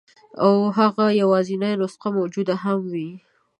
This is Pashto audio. او که هغه یوازنۍ نسخه موجوده هم وي.